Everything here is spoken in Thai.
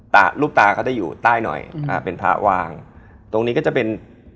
ตรงนี้ก็จะเป็น